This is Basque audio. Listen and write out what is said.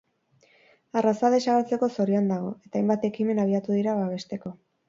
Arraza desagertzeko zorian dago, eta hainbat ekimen abiatu dira babesteko.